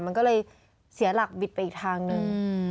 มันก็เลยเสียหลักบิดไปอีกทางหนึ่ง